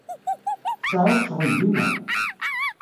Tseɛɛuḍ ccɣel dima?